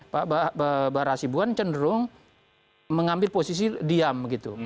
pak barahasibuan cenderung mengambil posisi diam gitu